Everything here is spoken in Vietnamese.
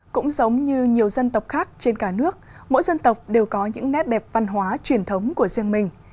cũng giống như nhiều dân tộc khác trên cả nước mỗi dân tộc đều có những nét đẹp văn hóa truyền thống của riêng mình